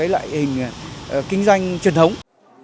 loại hình kinh doanh truyền thống